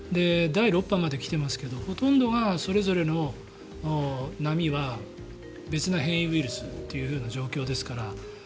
第６波まで来ていますがほとんどがそれぞれの波は別な変異ウイルスという状況ですから。